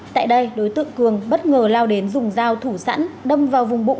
tại đây đối tượng cường bất ngờ lao đến dùng dao thủ sẵn đâm vào vùng bụng